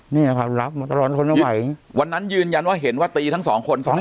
เนี่ยครับรับมาตลอดทนไม่ไหววันนั้นยืนยันว่าเห็นว่าตีทั้งสองคนก่อน